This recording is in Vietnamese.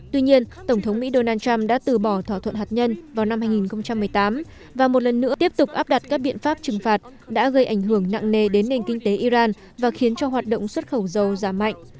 tuy nhiên tổng thống mỹ donald trump đã từ bỏ thỏa thuận hạt nhân vào năm hai nghìn một mươi tám và một lần nữa tiếp tục áp đặt các biện pháp trừng phạt đã gây ảnh hưởng nặng nề đến nền kinh tế iran và khiến cho hoạt động xuất khẩu dầu giảm mạnh